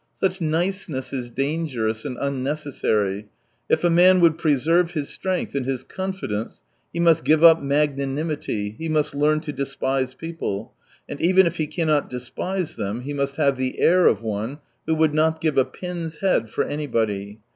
Such niceness is dangerous and unnecessary. If a man would preserve his strength and his confidence he must give up magnanimity, he must learn to despise people, and even if he cannot despise them he must have the air of one who would not give a pin's head for anybody.